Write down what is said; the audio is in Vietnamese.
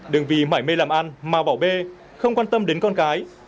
đừng vì mải mê làm ăn mà bảo bê không quan tâm đến con cái